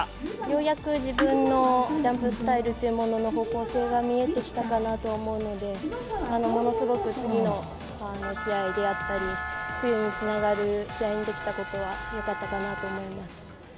ようやく自分のジャンプスタイルっていうものの方向性が見えてきたかなと思うので、ものすごく次の試合であったり、冬につながる試合にできたことはよかったかなと思います。